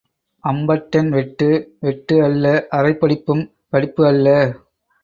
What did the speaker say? அம்பட்டன் வெட்டு வெட்டு அல்ல அரைப்படிப்பும் படிப்பு அல்ல.